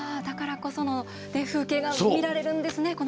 だからこその風景が見られるんですね、